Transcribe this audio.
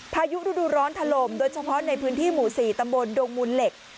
พายุฤดูร้อนถล่มโดยเฉพาะในพื้นที่หมู่๔ตำบลดงมูลเหล็ก